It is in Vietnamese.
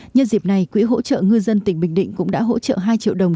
nhân dịp này quỹ hỗ trợ ngư dân tỉnh bình định cũng đã hỗ trợ hai triệu đồng